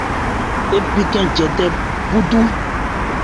Hɛ bhi gɛ jɛtɛn búdú.